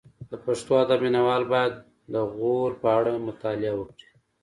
د پښتو ادب مینه وال باید د غور په اړه مطالعه وکړي